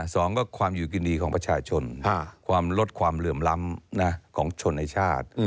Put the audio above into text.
สองก็ความอยู่กินดีของประชาชนความลดความเหลื่อมล้ำของชนในชาติ